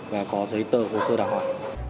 và có giấy tờ hồ sơ đảm họa